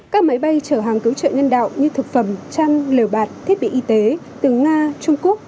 các máy bay chở hàng cứu trợ nhân đạo như thực phẩm chăn lều bạc thiết bị y tế từ nga trung quốc